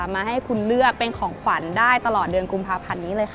มาให้คุณเลือกเป็นของขวัญได้ตลอดเดือนกุมภาพันธ์นี้เลยค่ะ